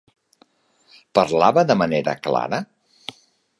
Parlava de manera clara?